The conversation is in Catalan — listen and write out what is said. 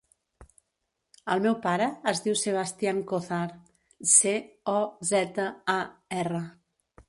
El meu pare es diu Sebastian Cozar: ce, o, zeta, a, erra.